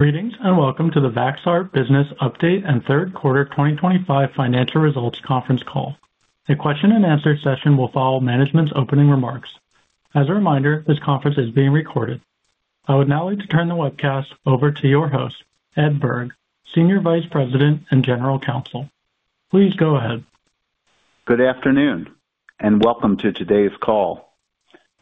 Greetings and welcome to the Vaxart Business Update and Q3 2025 Financial Results Conference Call. The Q&A will follow management's opening remarks. As a reminder, this conference is being recorded. I would now like to turn the webcast over to your host, Ed Berg, Senior Vice President and General Counsel. Please go ahead. Good afternoon and welcome to today's call.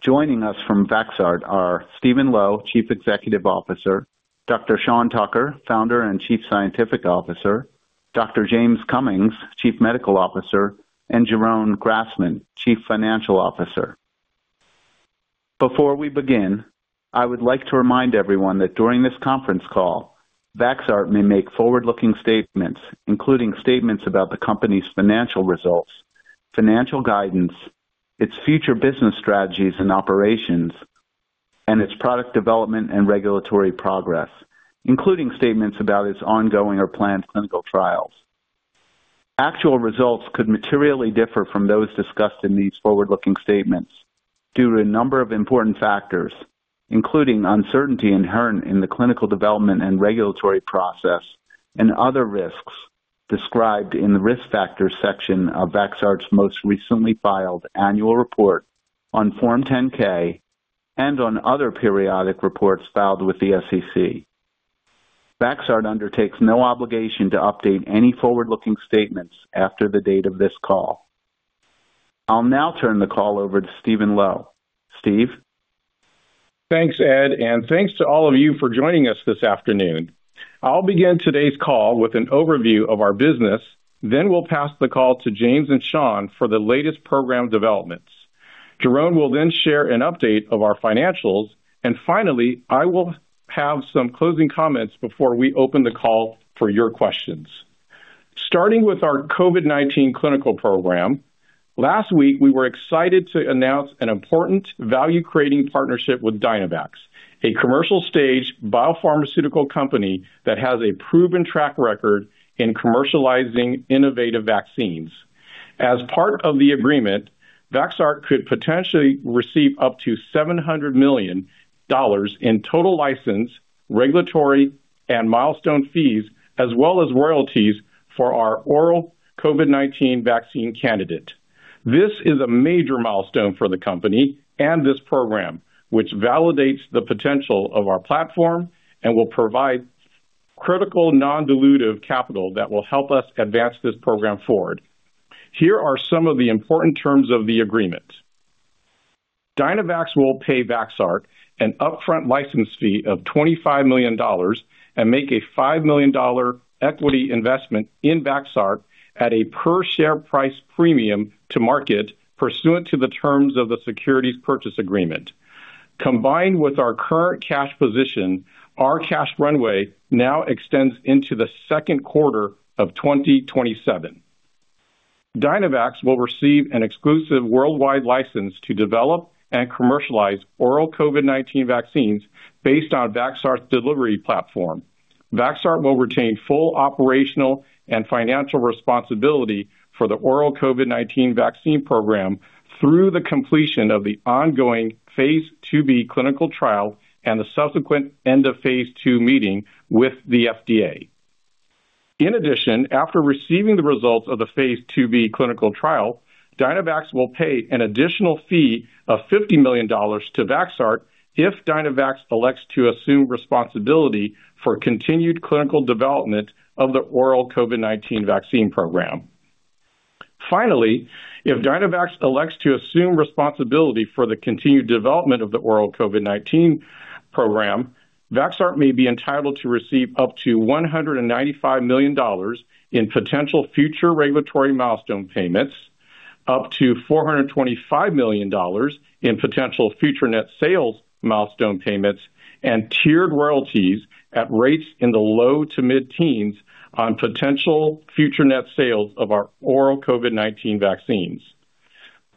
Joining us from Vaxart are Steven Lo, Chief Executive Officer; Dr. Sean Tucker, Founder and Chief Scientific Officer; Dr. James Cummings, Chief Medical Officer; and Jeroen Grasman, Chief Financial Officer. Before we begin, I would like to remind everyone that during this conference call, Vaxart may make forward-looking statements, including statements about the company's financial results, financial guidance, its future business strategies and operations, and its product development and regulatory progress, including statements about its ongoing or planned clinical trials. Actual results could materially differ from those discussed in these forward-looking statements due to a number of important factors, including uncertainty inherent in the clinical development and regulatory process and other risks described in the risk factors section of Vaxart's most recently filed annual report on Form 10-K and on other periodic reports filed with the SEC. Vaxart undertakes no obligation to update any forward-looking statements after the date of this call. I'll now turn the call over to Steven Lo. Steve. Thanks, Ed, and thanks to all of you for joining us this afternoon. I'll begin today's call with an overview of our business, then we'll pass the call to James and Sean for the latest program developments. Jeroen will then share an update of our financials, and finally, I will have some closing comments before we open the call for your questions. Starting with our COVID-19 clinical program, last week we were excited to announce an important value-creating partnership with Dynavax, a commercial-stage biopharmaceutical company that has a proven track record in commercializing innovative vaccines. As part of the agreement, Vaxart could potentially receive up to $700 million in total license, regulatory, and milestone fees, as well as royalties for our oral COVID-19 vaccine candidate. This is a major milestone for the company and this program, which validates the potential of our platform and will provide critical non-dilutive capital that will help us advance this program forward. Here are some of the important terms of the agreement. Dynavax will pay Vaxart an upfront license fee of $25 million and make a $5 million equity investment in Vaxart at a per-share price premium to market pursuant to the terms of the securities purchase agreement. Combined with our current cash position, our cash runway now extends into the Q2 of 2027. Dynavax will receive an exclusive worldwide license to develop and commercialize oral COVID-19 vaccines based on Vaxart's delivery platform. Vaxart will retain full operational and financial responsibility for the oral COVID-19 vaccine program through the completion of the ongoing phase II b clinical trial and the subsequent end of phase II meeting with the FDA. In addition, after receiving the results of the phase II b clinical trial, Dynavax will pay an additional fee of $50 million to Vaxart if Dynavax elects to assume responsibility for continued clinical development of the oral COVID-19 vaccine program. Finally, if Dynavax elects to assume responsibility for the continued development of the oral COVID-19 program, Vaxart may be entitled to receive up to $195 million in potential future regulatory milestone payments, up to $425 million in potential future net sales milestone payments, and tiered royalties at rates in the low to mid-teens on potential future net sales of our oral COVID-19 vaccines.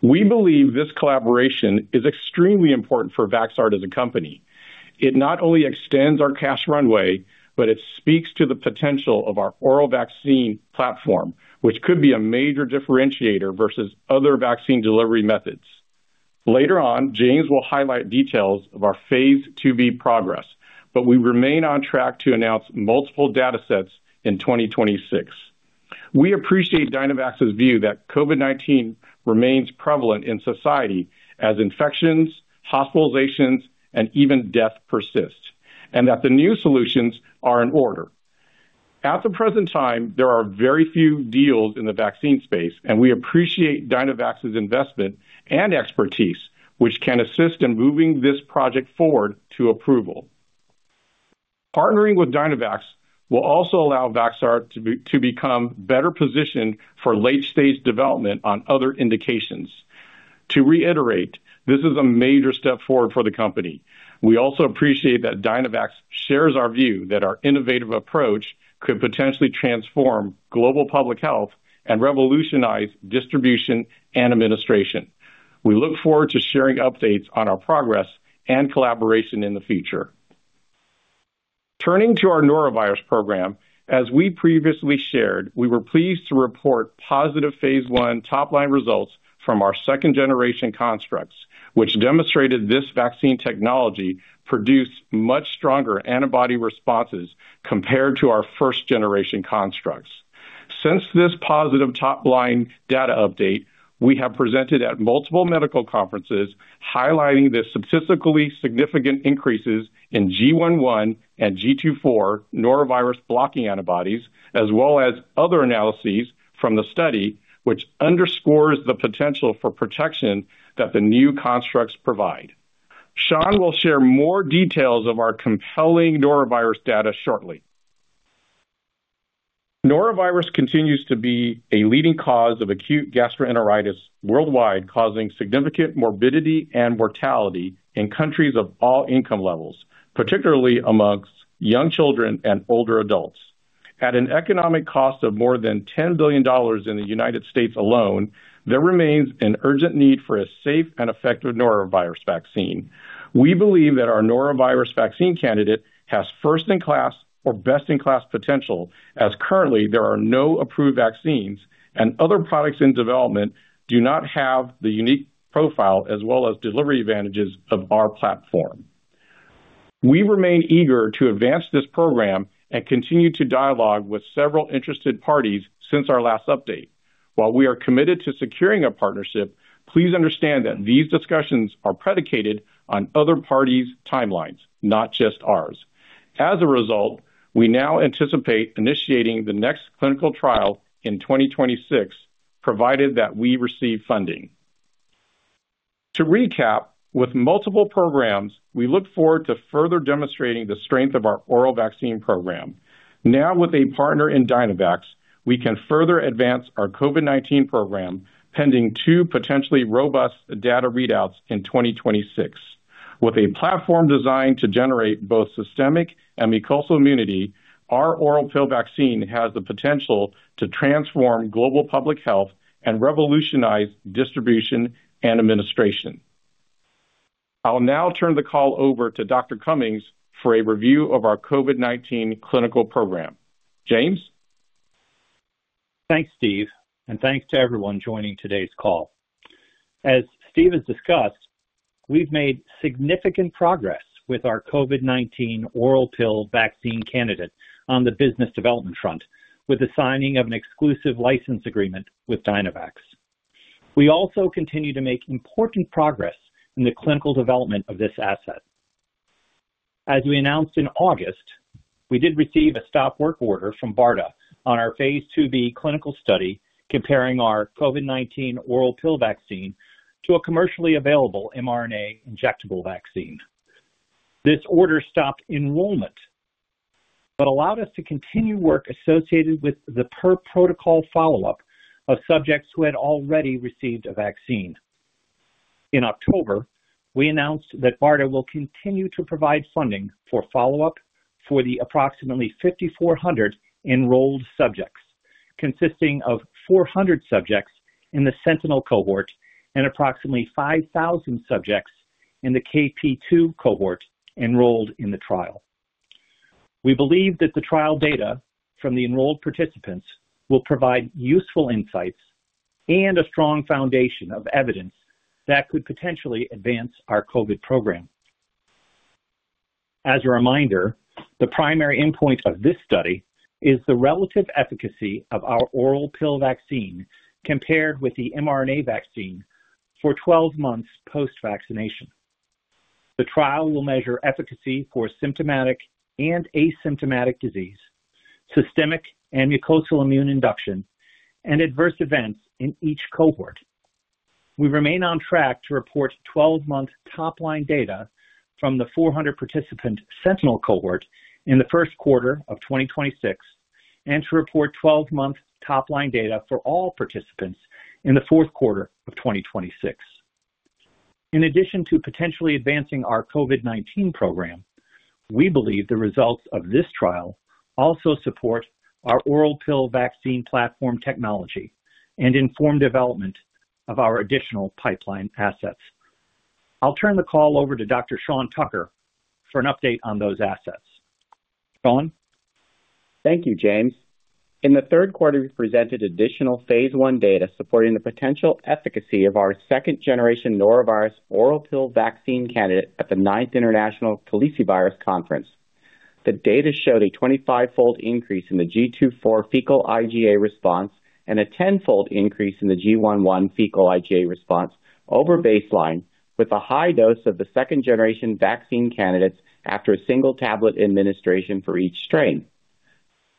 We believe this collaboration is extremely important for Vaxart as a company. It not only extends our cash runway, but it speaks to the potential of our oral vaccine platform, which could be a major differentiator versus other vaccine delivery methods. Later on, James Cummings will highlight details of our phase IIb progress, but we remain on track to announce multiple data sets in 2026. We appreciate Dynavax's view that COVID-19 remains prevalent in society as infections, hospitalizations, and even death persist, and that new solutions are in order. At the present time, there are very few deals in the vaccine space, and we appreciate Dynavax's investment and expertise, which can assist in moving this project forward to approval. Partnering with Dynavax will also allow Vaxart to become better positioned for late-stage development on other indications. To reiterate, this is a major step forward for the company. We also appreciate that Dynavax shares our view that our innovative approach could potentially transform global public health and revolutionize distribution and administration. We look forward to sharing updates on our progress and collaboration in the future. Turning to our norovirus program, as we previously shared, we were pleased to report positive phase I top-line results from our second-generation constructs, which demonstrated this vaccine technology produced much stronger antibody responses compared to our first-generation constructs. Since this positive top-line data update, we have presented at multiple medical conferences highlighting the statistically significant increases in GI.1 and GII.4 norovirus blocking antibodies, as well as other analyses from the study, which underscores the potential for protection that the new constructs provide. SeanTucker will share more details of our compelling norovirus data shortly. Norovirus continues to be a leading cause of acute gastroenteritis worldwide, causing significant morbidity and mortality in countries of all income levels, particularly amongst young children and older adults. At an economic cost of more than $10 billion in the United States alone, there remains an urgent need for a safe and effective norovirus vaccine. We believe that our norovirus vaccine candidate has first-in-class or best-in-class potential, as currently there are no approved vaccines and other products in development do not have the unique profile as well as delivery advantages of our platform. We remain eager to advance this program and continue to dialogue with several interested parties since our last update. While we are committed to securing a partnership, please understand that these discussions are predicated on other parties' timelines, not just ours. As a result, we now anticipate initiating the next clinical trial in 2026, provided that we receive funding. To recap, with multiple programs, we look forward to further demonstrating the strength of our oral vaccine program. Now, with a partner in Dynavax, we can further advance our COVID-19 program, pending two potentially robust data readouts in 2026. With a platform designed to generate both systemic and mucosal immunity, our oral pill vaccine has the potential to transform global public health and revolutionize distribution and administration. I'll now turn the call over to Dr. Cummings for a review of our COVID-19 clinical program. James Cummings? Thanks, Steve, and thanks to everyone joining today's call. As Steve Lo has discussed, we've made significant progress with our COVID-19 oral pill vaccine candidate on the business development front, with the signing of an exclusive license agreement with Dynavax. We also continue to make important progress in the clinical development of this asset. As we announced in August, we did receive a stop-work order from BARDA on our phase IIb clinical study comparing our COVID-19 oral pill vaccine to a commercially available mRNA injectable vaccine. This order stopped enrollment but allowed us to continue work associated with the per-protocol follow-up of subjects who had already received a vaccine. In October, we announced that BARDA will continue to provide funding for follow-up for the approximately 5,400 enrolled subjects, consisting of 400 subjects in the sentinel cohort and approximately 5,000 subjects in the KP.2 cohort enrolled in the trial. We believe that the trial data from the enrolled participants will provide useful insights and a strong foundation of evidence that could potentially advance our COVID program. As a reminder, the primary endpoint of this study is the relative efficacy of our oral pill vaccine compared with the mRNA vaccine for 12 months post-vaccination. The trial will measure efficacy for symptomatic and asymptomatic disease, systemic and mucosal immune induction, and adverse events in each cohort. We remain on track to report 12-month top-line data from the 400-participant Sentinel cohort in the Q1 of 2026 and to report 12-month top-line data for all participants in the Q4 of 2026. In addition to potentially advancing our COVID-19 program, we believe the results of this trial also support our oral pill vaccine platform technology and inform development of our additional pipeline assets. I'll turn the call over to Dr. Sean Tucker for an update on those assets. Sean? Thank you, James Cummings. In the Q3, we presented additional phase I data supporting the potential efficacy of our second-generation norovirus oral pill vaccine candidate at the 9th International Tollisi Virus Conference. The data showed a 25-fold increase in the GII.4 fecal IgA response and a 10-fold increase in the GI.1 fecal IgA response over baseline, with a high dose of the second-generation vaccine candidates after a single tablet administration for each strain.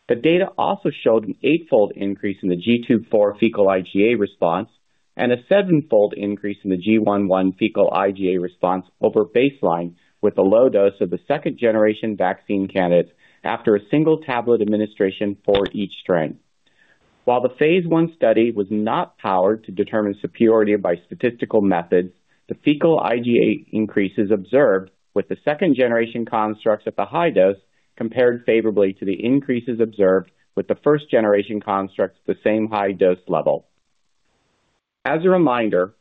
The data also showed an 8-fold increase in the GII.4 fecal IgA response and a 7-fold increase in the GI.1 fecal IgA response over baseline, with a low dose of the second-generation vaccine candidates after a single tablet administration for each strain. While the phase I study was not powered to determine superiority by statistical methods, the fecal IgA increases observed with the second-generation constructs at the high dose compared favorably to the increases observed with the first-generation constructs at the same high dose level. As a reminder,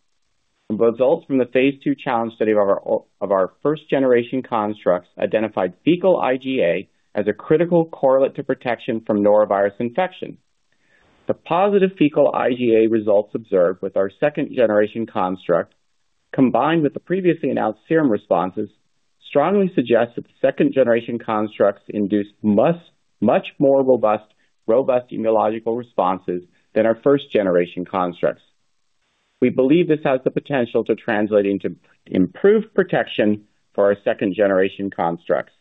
the results from the phase II challenge study of our first-generation constructs identified fecal IgA as a critical correlate to protection from norovirus infection. The positive fecal IgA results observed with our second-generation construct, combined with the previously announced serum responses, strongly suggest that the second-generation constructs induce much more robust immunological responses than our first-generation constructs. We believe this has the potential to translate into improved protection for our second-generation constructs.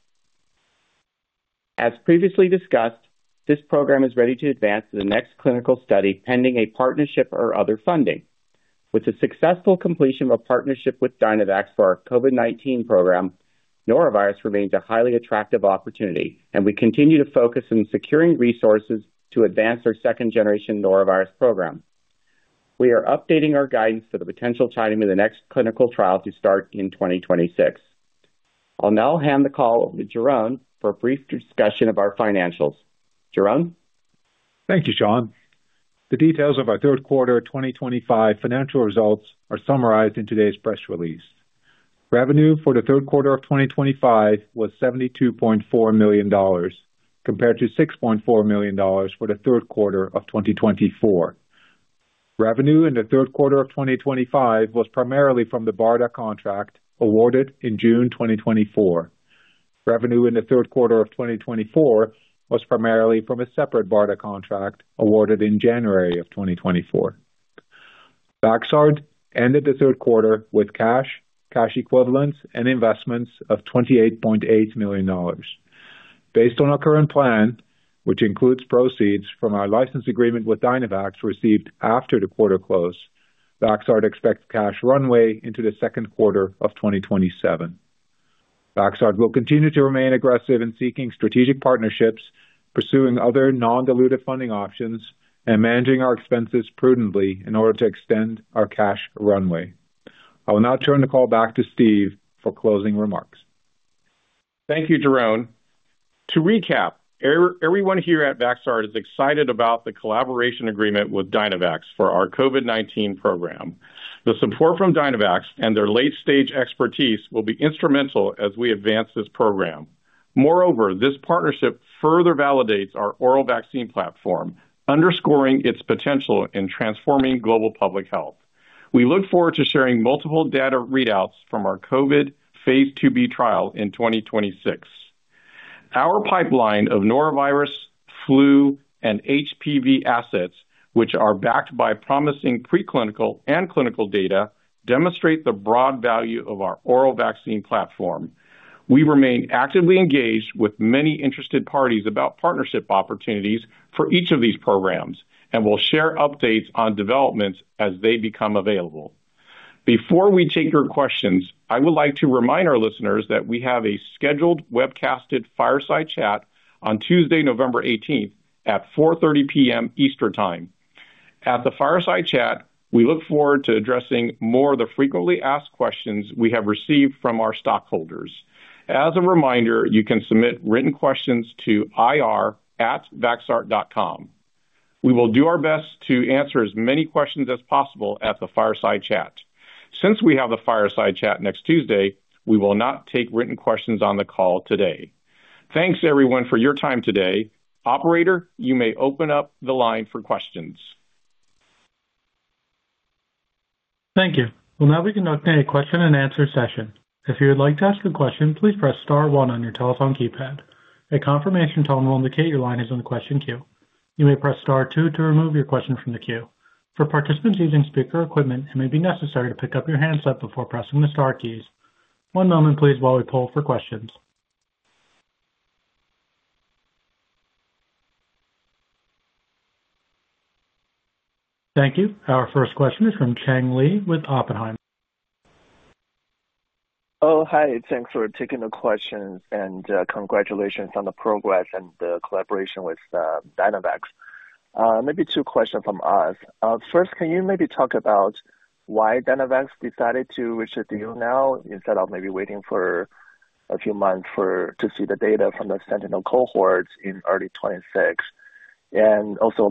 As previously discussed, this program is ready to advance to the next clinical study pending a partnership or other funding. With the successful completion of a partnership with Dynavax for our COVID-19 program, norovirus remains a highly attractive opportunity, and we continue to focus on securing resources to advance our second-generation norovirus program. We are updating our guidance for the potential timing of the next clinical trial to start in 2026. I'll now hand the call over to Jeroen for a brief discussion of our financials. Jeroen Grasman? Thank you, Sean. The details of our Q3 2025 financial results are summarized in today's press release. Revenue for the Q3 of 2025 was $72.4 million, compared to $6.4 million for the Q3 of 2024. Revenue in the Q3 of 2025 was primarily from the BARDA contract awarded in June 2024. Revenue in the Q3 of 2024 was primarily from a separate BARDA contract awarded in January of 2024. Vaxart ended the Q3 with cash, cash equivalents, and investments of $28.8 million. Based on our current plan, which includes proceeds from our license agreement with Dynavax received after the quarter close, Vaxart expects cash runway into the Q2 of 2027. Vaxart will continue to remain aggressive in seeking strategic partnerships, pursuing other non-dilutive funding options, and managing our expenses prudently in order to extend our cash runway. I will now turn the call back to Steve Lo for closing remarks. Thank you, Jeroen. To recap, everyone here at Vaxart is excited about the collaboration agreement with Dynavax for our COVID-19 program. The support from Dynavax and their late-stage expertise will be instrumental as we advance this program. Moreover, this partnership further validates our oral vaccine platform, underscoring its potential in transforming global public health. We look forward to sharing multiple data readouts from our COVID phase IIb trial in 2026. Our pipeline of norovirus, flu, and HPV assets, which are backed by promising preclinical and clinical data, demonstrate the broad value of our oral vaccine platform. We remain actively engaged with many interested parties about partnership opportunities for each of these programs, and we'll share updates on developments as they become available. Before we take your questions, I would like to remind our listeners that we have a scheduled webcasted fireside chat on Tuesday, November 18, at 4:30 P.M. Eastern Time. At the fireside chat, we look forward to addressing more of the frequently asked questions we have received from our stockholders. As a reminder, you can submit written questions to ir@vaxart.com. We will do our best to answer as many questions as possible at the fireside chat. Since we have the fireside chat next Tuesday, we will not take written questions on the call today. Thanks, everyone, for your time today. Operator, you may open up the line for questions. Thank you. We'll now begin our Q&A session. If you would like to ask a question, please press Star one on your telephone keypad. A confirmation tone will indicate your line is on the question queue. You may press Star two to remove your question from the queue. For participants using speaker equipment, it may be necessary to pick up your handset before pressing the Star keys. One moment, please, while we pull for questions. Thank you. Our first question is from Cheng Li with Oppenheimer. Oh, hi. Thanks for taking the questions, and congratulations on the progress and the collaboration with Dynavax. Maybe two questions from us. First, can you maybe talk about why Dynavax decided to reach a deal now instead of maybe waiting for a few months to see the data from the Sentinel cohort in early 2026? Also,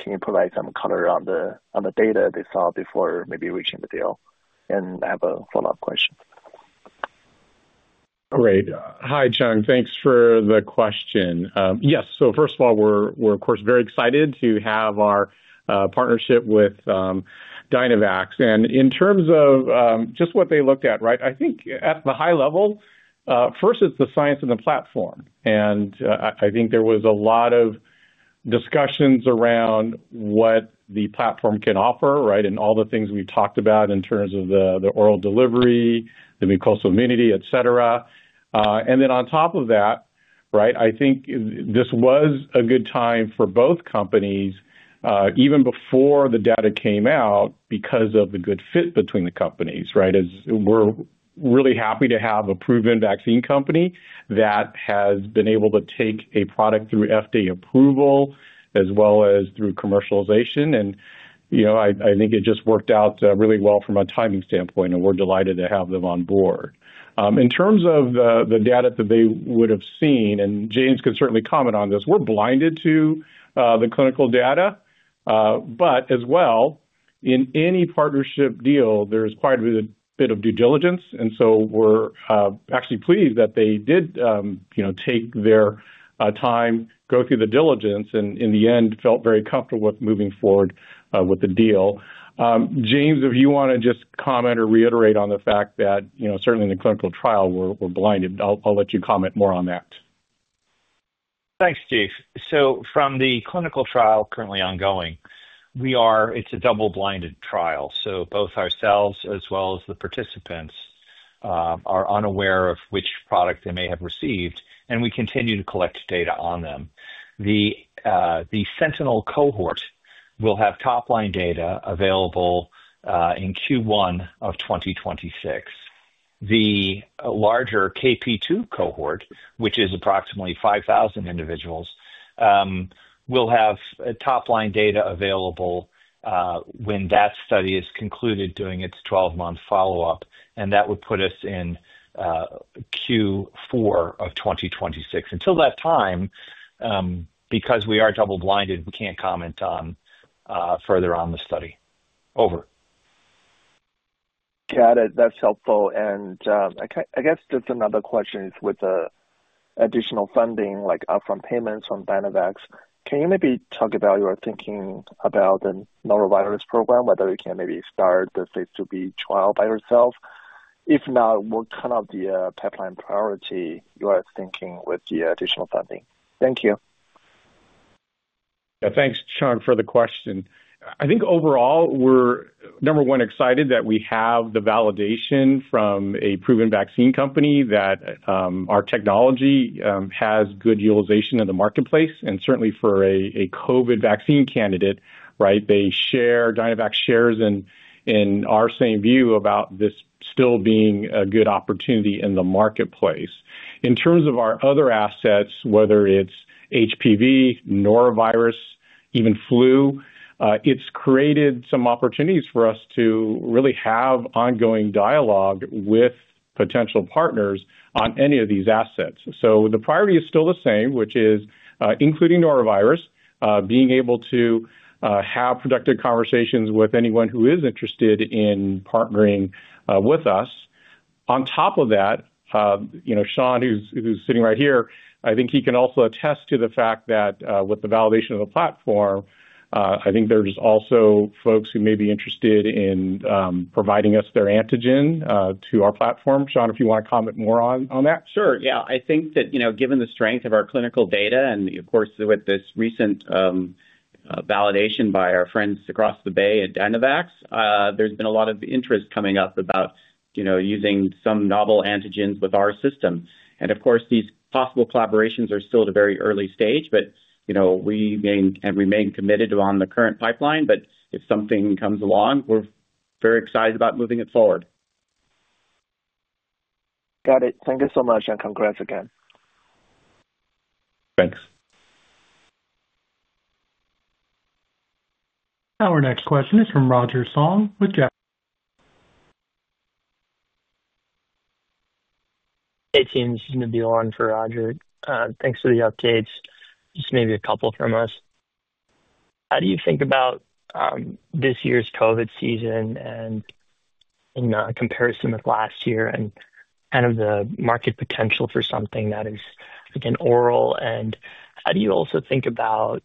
can you provide some color on the data they saw before maybe reaching the deal? I have a follow-up question. All right. Hi, Chang. Thanks for the question. Yes. First of all, we're, of course, very excited to have our partnership with Dynavax. In terms of just what they looked at, right, I think at the high level, first, it's the science and the platform. I think there was a lot of discussions around what the platform can offer, right, and all the things we've talked about in terms of the oral delivery, the mucosal immunity, et cetera. On top of that, right, I think this was a good time for both companies, even before the data came out, because of the good fit between the companies, right? We're really happy to have a proven vaccine company that has been able to take a product through FDA approval as well as through commercialization. I think it just worked out really well from a timing standpoint, and we're delighted to have them on board. In terms of the data that they would have seen, and James can certainly comment on this, we're blinded to the clinical data. As well, in any partnership deal, there's quite a bit of due diligence. We're actually pleased that they did take their time, go through the diligence, and in the end, felt very comfortable with moving forward with the deal. James Cummings, if you want to just comment or reiterate on the fact that certainly in the clinical trial, we're blinded, I'll let you comment more on that. Thanks, Steve Lo. From the clinical trial currently ongoing, it's a double-blinded trial. Both ourselves as well as the participants are unaware of which product they may have received, and we continue to collect data on them. The Sentinel cohort will have top-line data available in Q1 of 2026. The larger KP.2 cohort, which is approximately 5,000 individuals, will have top-line data available when that study is concluded during its 12-month follow-up. That would put us in Q4 of 2026. Until that time, because we are double-blinded, we can't comment further on the study. Over. Got it. That's helpful. I guess just another question is with the additional funding, like upfront payments from Dynavax, can you maybe talk about your thinking about the norovirus program, whether you can maybe start the phase IIb trial by yourself? If not, what kind of pipeline priority you are thinking with the additional funding? Thank you. Thanks, Cheng Li, for the question. I think overall, we're, number one, excited that we have the validation from a proven vaccine company that our technology has good utilization in the marketplace. Certainly for a COVID vaccine candidate, right, they share, Dynavax shares in our same view about this still being a good opportunity in the marketplace. In terms of our other assets, whether it's HPV, norovirus, even flu, it's created some opportunities for us to really have ongoing dialogue with potential partners on any of these assets. The priority is still the same, which is including norovirus, being able to have productive conversations with anyone who is interested in partnering with us. On top of that, Sean Tucker, who's sitting right here, I think he can also attest to the fact that with the validation of the platform, I think there's also folks who may be interested in providing us their antigen to our platform. Sean, if you want to comment more on that. Sure. Yeah. I think that given the strength of our clinical data and, of course, with this recent validation by our friends across the bay at Dynavax, there's been a lot of interest coming up about using some novel antigens with our system. Of course, these possible collaborations are still at a very early stage, but we remain committed on the current pipeline. If something comes along, we're very excited about moving it forward. Got it. Thank you so much, and congrats again. Thanks. Our next question is from Roger Song with Jefferies. Hey, team. This is Nabila Ahmed for Roger. Thanks for the updates. Just maybe a couple from us. How do you think about this year's COVID season and in comparison with last year and kind of the market potential for something that is, again, oral? How do you also think about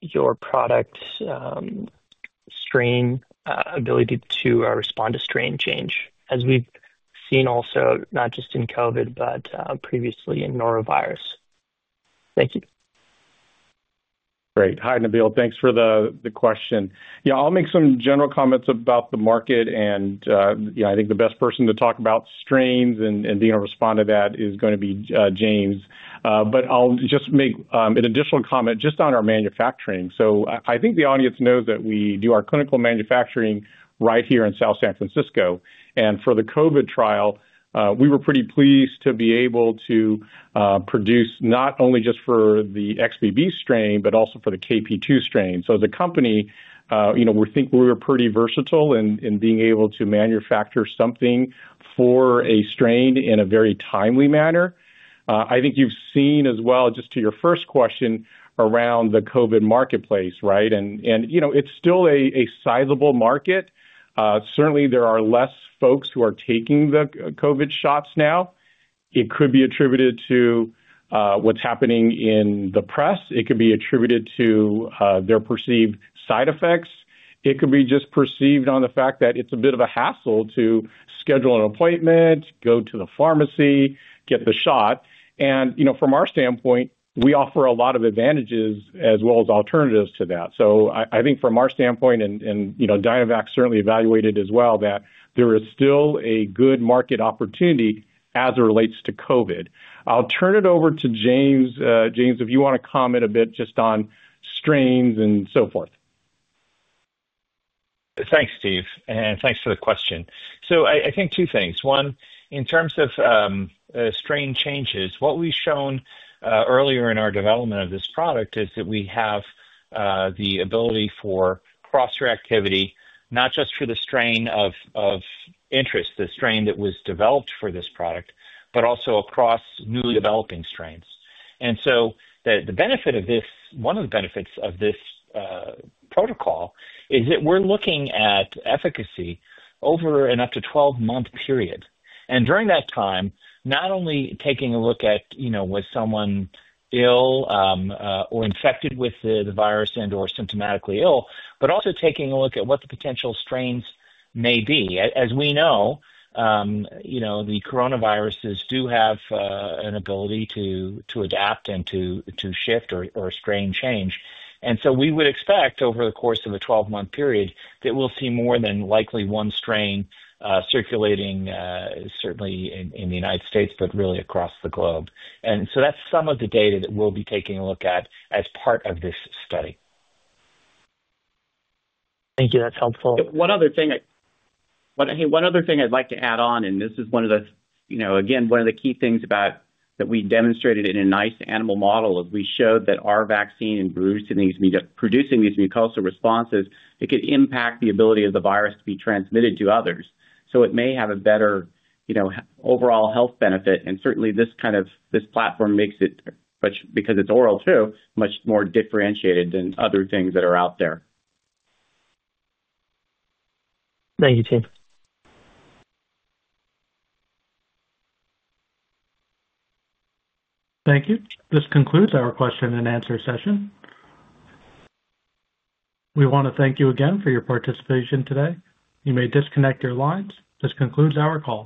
your product's strain ability to respond to strain change, as we've seen also not just in COVID, but previously in norovirus? Thank you. Great. Hi, Nabila. Thanks for the question. Yeah, I'll make some general comments about the market. I think the best person to talk about strains and being able to respond to that is going to be James. I'll just make an additional comment just on our manufacturing. I think the audience knows that we do our clinical manufacturing right here in South San Francisco. For the COVID trial, we were pretty pleased to be able to produce not only just for the XBB strain, but also for the KP.2 strain. As a company, we think we were pretty versatile in being able to manufacture something for a strain in a very timely manner. I think you've seen as well, just to your first question around the COVID marketplace, right? It's still a sizable market. Certainly, there are less folks who are taking the COVID shots now. It could be attributed to what's happening in the press. It could be attributed to their perceived side effects. It could be just perceived on the fact that it's a bit of a hassle to schedule an appointment, go to the pharmacy, get the shot. From our standpoint, we offer a lot of advantages as well as alternatives to that. I think from our standpoint, and Dynavax certainly evaluated as well, that there is still a good market opportunity as it relates to COVID. I'll turn it over to James Cummings Cummings. James, if you want to comment a bit just on strains and so forth. Thanks, Steve Lo. Thanks for the question. I think two things. One, in terms of strain changes, what we've shown earlier in our development of this product is that we have the ability for cross-reactivity, not just for the strain of interest, the strain that was developed for this product, but also across newly developing strains. The benefit of this, one of the benefits of this protocol, is that we're looking at efficacy over an up to 12-month period. During that time, not only taking a look at was someone ill or infected with the virus and/or symptomatically ill, but also taking a look at what the potential strains may be. As we know, the coronaviruses do have an ability to adapt and to shift or strain change. We would expect over the course of a 12-month period that we'll see more than likely one strain circulating certainly in the United States, but really across the globe. That is some of the data that we'll be taking a look at as part of this study. Thank you. That's helpful. One other thing I'd like to add on, and this is one of the, again, one of the key things that we demonstrated in a nice animal model is we showed that our vaccine in producing these mucosal responses, it could impact the ability of the virus to be transmitted to others. It may have a better overall health benefit. Certainly, this kind of this platform makes it, because it's oral too, much more differentiated than other things that are out there. Thank you, team. Thank you. This concludes our Q&A. We want to thank you again for your participation today. You may disconnect your lines. This concludes our call.